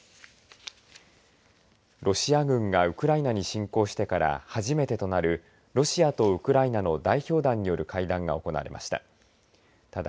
ロシア軍がウクライナに侵攻してから初めてとなるロシアとウクライナの代表団による会談が行われました。